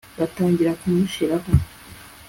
batangira kumushiraho